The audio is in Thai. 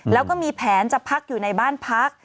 แล้วก็มีแผนจะพักอยู่ในบ้านพัก